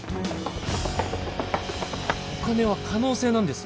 お金は可能性なんです。